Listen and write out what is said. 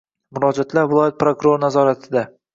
Murojaatlar viloyat prokurori nazoratidang